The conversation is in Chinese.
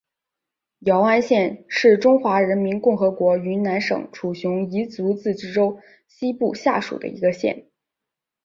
姚安县是中华人民共和国云南省楚雄彝族自治州西部下属的一个县。